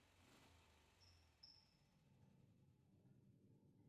The new institution was called Randolph Sanatorium and Doctor Gifford was the medical director.